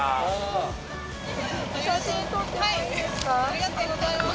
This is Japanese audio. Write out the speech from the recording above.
ありがとうございます。